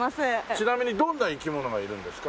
ちなみにどんな生き物がいるんですか？